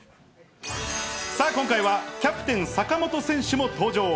今回はキャプテン、坂本選手も登場。